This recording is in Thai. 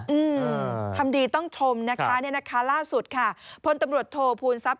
อืมอ่าทำดีต้องชมนะคะเนี่ยนะคะล่าสุดค่ะพลตำรวจโทษภูมิซับระเสริษัก